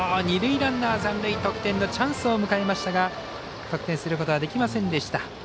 二塁ランナー残塁得点のチャンスを迎えましたが得点することはできませんでした。